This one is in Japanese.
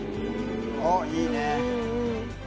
おっいいね